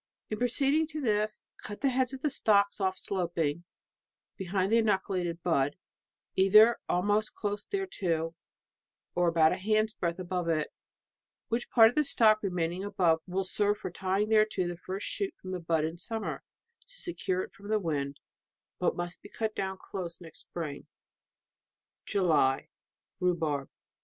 " In proceeding to this, cut the heads of the stocks off sloping, behind the inoculate^ bud, either almost close thereto, or about a hand's breadth above it, which part of the 21 % DECEMBER* stock remaining above, will serve for tying thereto the first shoot from the bud in sum mer, to secure it from the wind, but must be cut down close next spring/' JULY. Rhubarb.